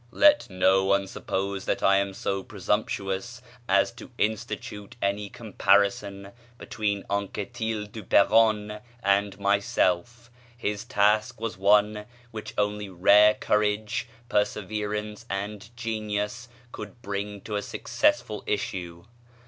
Let no one suppose that I am so presumptuous as to institute any comparison between Anquetil du Perron [page xii] and myself. His task was one which only rare courage, perseverance, and genius could bring to a successful issue.